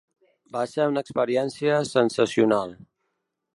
Va ser una experiència sensacional.